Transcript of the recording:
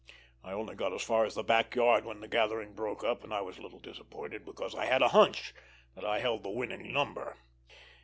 I only got as far as the back yard when the gathering broke up, and I was a little disappointed because I had a hunch that I held the winning number.